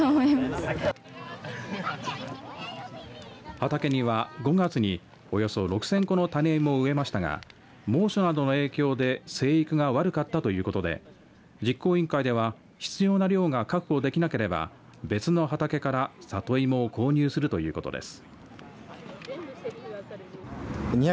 畑には５月におよそ６０００個の種芋を植えましたが猛暑などの影響で生育が悪かったということで実行委員会では必要な量が確保できなければ別の畑から里芋を購入するということです。